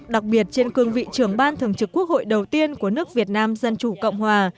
đặc biệt trên cương vị trưởng ban thường trực quốc hội đầu tiên của nước việt nam dân chủ cộng hòa